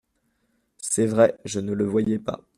C’est vrai, je ne le voyais pas.